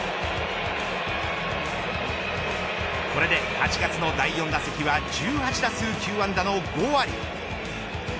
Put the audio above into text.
これで８月の第４打席は１８打数９安打の５割。